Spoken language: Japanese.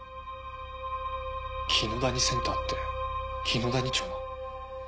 紀野谷センターって紀野谷町の。